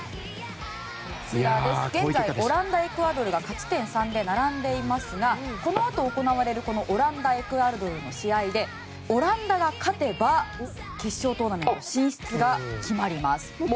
現在オランダとエクアドルが勝ち点３で並んでいますがこのあと行われるオランダ対エクアドルの試合でオランダが勝てば決勝トーナメント進出が決まります。